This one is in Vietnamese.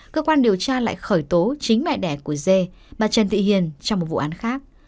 cơ quan điều tra lại khởi tố chính mẹ đẻ của dê bà trần thị hiền trong một vụ án khác